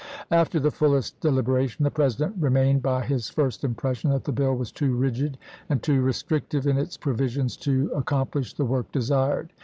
After the fullest deliberation the President re mained by his first impression that the bill was too rigid and too restrictive in its provisions to accom plish the work desired.